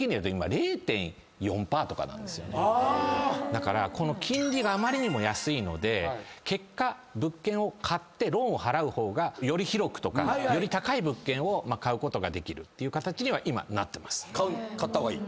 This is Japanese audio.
だからこの金利があまりにも安いので結果物件を買ってローンを払う方がより広くとかより高い物件を買うことができるって形には今なってます。